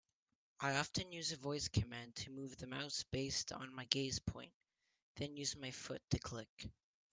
I often use a voice command to move the mouse based on my gaze point, then use my foot to click.